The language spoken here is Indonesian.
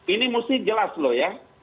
ini mesti jelas loh ya